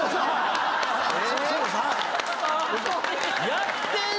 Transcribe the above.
⁉やってん。